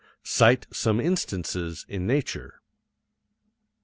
Cite some instances in nature.